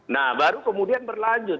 nah baru kemudian berlanjut